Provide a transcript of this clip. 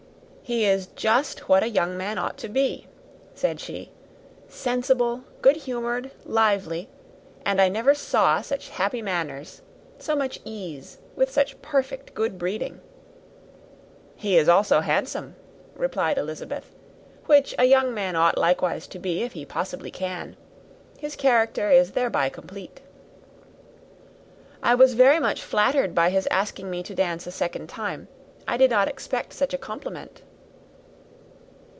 "He is just what a young man ought to be," said she, "sensible, good humoured, lively; and I never saw such happy manners! so much ease, with such perfect good breeding!" "He is also handsome," replied Elizabeth, "which a young man ought likewise to be if he possibly can. His character is thereby complete." "I was very much flattered by his asking me to dance a second time. I did not expect such a compliment."